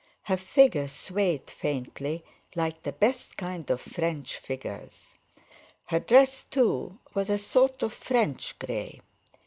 Her figure swayed faintly, like the best kind of French figures; her dress, too, was a sort of French grey.